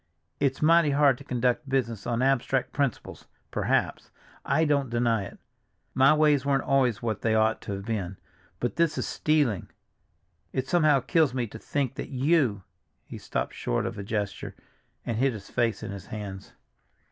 "It's mighty hard to conduct business on abstract principles—perhaps—I don't deny it! My ways weren't always what they ought to have been. But this is stealing. It somehow kills me to think that you—" he stopped short with a gesture, and hid his face in his hands.